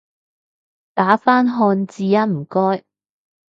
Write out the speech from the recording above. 打返漢字吖唔該